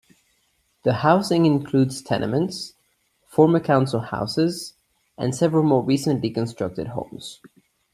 The housing includes tenements, former council houses and several more recently constructed homes.